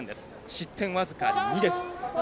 失点僅か２です。